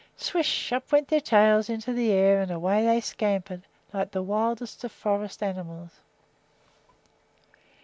Swish! up went their tails into the air and away they scampered like the wildest of forest animals.